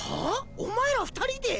お前ら二人で？